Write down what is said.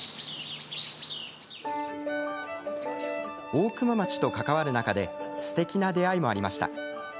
大熊町と関わる中ですてきな出会いもありました。